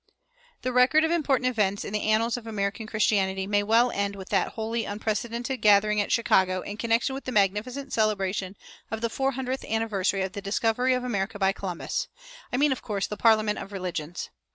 The record of important events in the annals of American Christianity may well end with that wholly unprecedented gathering at Chicago in connection with the magnificent celebration of the four hundredth anniversary of the discovery of America by Columbus I mean, of course, the Parliament of Religions.